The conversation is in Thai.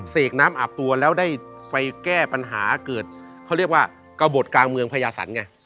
เสกน้ำอาบตัวแล้วได้ไปแก้ปัญหาเกิดเขาเรียกว่ากระบดกลางเมืองพญาสันไง